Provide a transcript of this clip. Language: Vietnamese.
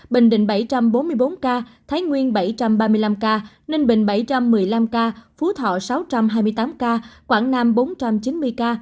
bình định bảy trăm bốn mươi bốn ca thái nguyên bảy trăm ba mươi năm ca ninh bình bảy trăm một mươi năm ca phú thọ sáu trăm hai mươi tám ca quảng nam bốn trăm chín mươi ca